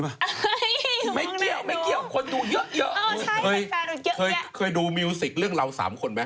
เคยพูดนั่นเรื่องราวเป็นเรื่องเรา๓คนไหม